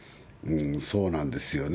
そうなんですよね。